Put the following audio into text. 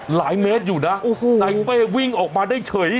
หลายเมตรอยู่นะโอ้โหนายเป้วิ่งออกมาได้เฉย